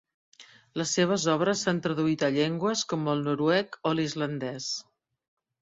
Les seves obres s'han traduït a llengües com el noruec o l'islandès.